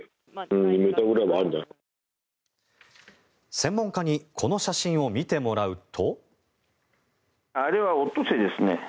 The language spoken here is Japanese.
専門家にこの写真を見てもらうと。